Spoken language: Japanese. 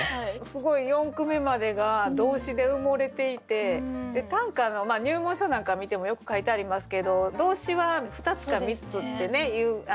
すごい四句目までが動詞で埋もれていて短歌の入門書なんか見てもよく書いてありますけど動詞は２つか３つっていう。